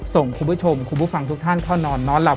ส่งคุณผู้ชมคุณผู้ฟังทุกท่านเข้านอนนอนหลับ